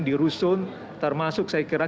di rusun termasuk saya kira